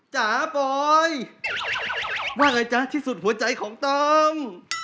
จ๋าบอยว่าไงจ๊ะที่สุดหัวใจของต้อม